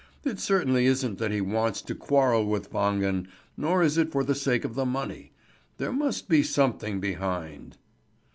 "It certainly isn't that he wants to quarrel with Wangen, nor is it for the sake of the money. There must be something behind."